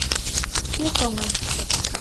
Пеш оҥай!